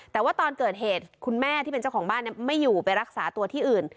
แต่ว่าตอนเกิดเหตุคุณแม่ที่เป็นเจ้าของบ้านไม่อยู่ไปรักษาตัวที่อื่น